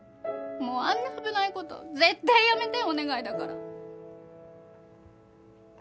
もうあんな危ない事絶対やめてお願いだから。